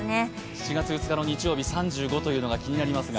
７月２日の日曜日、３５度というのが気になりますが？